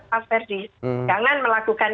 mas ferdie jangan melakukan